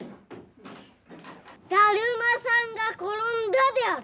だるまさんが転んだである。